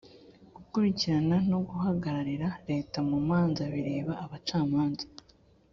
gukurikirana no guhagararira leta mu manza bireba abacamanza.